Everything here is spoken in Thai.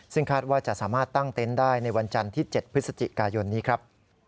ซึ่งคาดว่าจะสามารถตั้งเต็นต์ได้ในวันจันทร์ที่๗พฤศจิกายนนี้ครับ